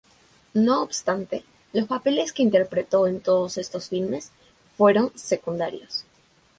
No obstante, los papeles que interpretó en todos estos filmes fueron secundarios.